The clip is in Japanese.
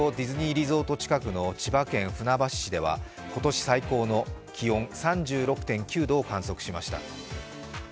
リゾート近くの千葉県船橋市では今年最高の気温、３６．９度を観測しました。